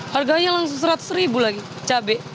harganya langsung seratus ribu lagi cabai